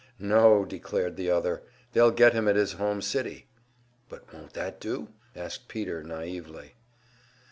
"No," declared the other. "They'll get him at his home city." "But won't that do?" asked Peter, naively.